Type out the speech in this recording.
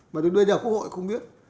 mà từ bây giờ quốc hội không biết